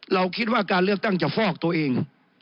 เราคิดว่าการเลือกตั้งจะฟอกตัวเอง